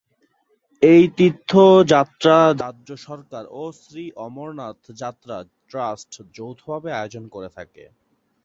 এই তীর্থ যাত্রা রাজ্য সরকার ও শ্রী অমরনাথ যাত্রা ট্রাস্ট যৌথ ভাবে আয়োজন করে থাকে।